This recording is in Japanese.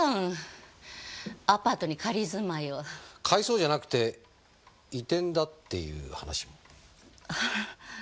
改装じゃなくて移転だっていう話も。